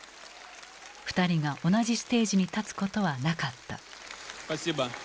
２人が同じステージに立つことはなかった。